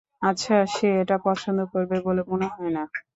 আচ্ছা, সে এটা পছন্দ করবে বলে মনে হয় না।